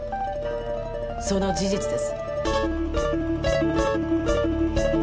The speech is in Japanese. その事実です。